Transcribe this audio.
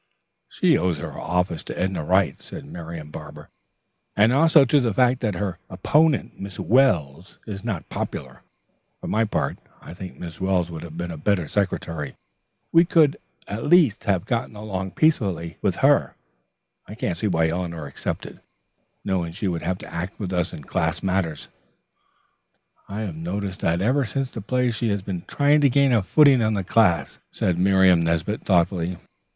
"She owes her office to Edna Wright," said Marian Barber, "and also to the fact that her opponent, Miss Wells, is not popular. For my part, I think Miss Wells would have been a better secretary. We could at least have gotten along peaceably with her. I can't see why Eleanor accepted, knowing she would have to act with us in class matters." "I have noticed that ever since the play she has been trying to gain a footing in the class," said Miriam Nesbit thoughtfully.